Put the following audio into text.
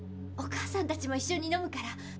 お母さんたちもいっしょにのむから。